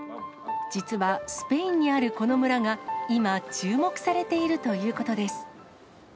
実はスペインにあるこの村が、今、注目されているということです。